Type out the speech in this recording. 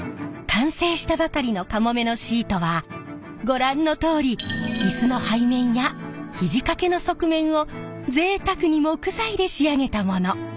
完成したばかりの「かもめ」のシートはご覧のとおり椅子の背面や肘掛けの側面をぜいたくに木材で仕上げたもの。